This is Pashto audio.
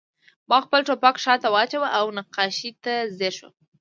ما خپل ټوپک شاته واچاوه او نقاشۍ ته ځیر شوم